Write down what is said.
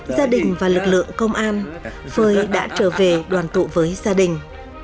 gia đình và lực lượng công an phơi đã trở về đoàn tụ với gia đình